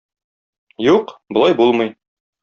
Юк, болай булмый.